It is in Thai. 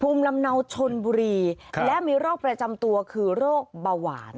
ภูมิลำเนาชนบุรีและมีโรคประจำตัวคือโรคเบาหวาน